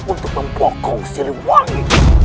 untuk membokong siri wangi